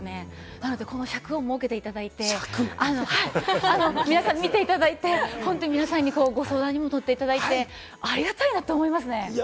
なので、この尺を設けていただいて、皆さん見ていただいて、本当に皆さんにご相談にもとっていただいて、ありがたいなと思いますね。